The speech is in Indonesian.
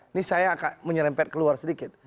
ini saya akan menyerempet keluar sedikit